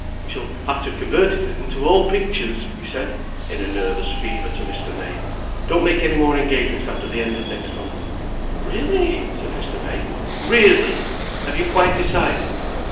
"We shall have to convert into all pictures," he said in a nervous fever to Mr. May. "Don't make any more engagements after the end of next month." "Really!" said Mr. May. "Really! Have you quite decided?"